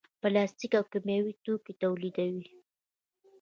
پلاستیک او کیمیاوي توکي تولیدوي.